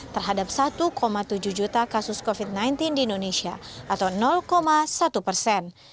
terhadap satu tujuh juta kasus covid sembilan belas di indonesia atau satu persen